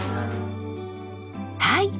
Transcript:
はい。